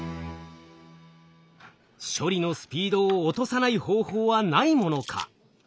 処理のスピードを落とさない方法はないものか？